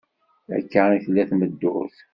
Akka i tella tmeddurt!